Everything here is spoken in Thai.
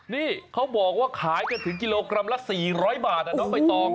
นี่เขาบอกว่าขายก็ถึงกิโลกรัมละ๔๐๐บาท